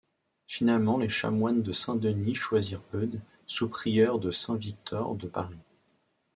Finalement les chanoines de Saint-Denis choisirent Eudes, sous-prieur de Saint-Victor de Paris.